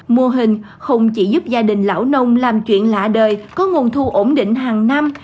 mô hình không chỉ giúp gia đình lão nông làm chuyện lạ đời có nguồn thu ổn định hàng năm